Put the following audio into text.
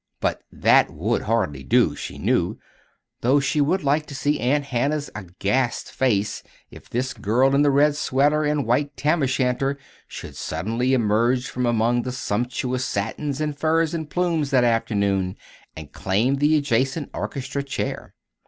But that would hardly do, she knew though she would like to see Aunt Hannah's aghast face if this girl in the red sweater and white tam o' shanter should suddenly emerge from among the sumptuous satins and furs and plumes that afternoon and claim the adjacent orchestra chair.